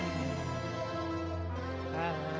ああ